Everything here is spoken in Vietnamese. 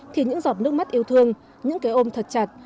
thì những giọt nước mắt yêu thương những cái ôm thật chặt